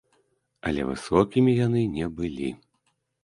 Але высокімі яны не былі.